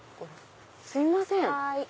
すいません。